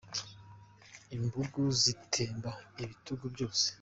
Imbugu zitemba ibitugu byose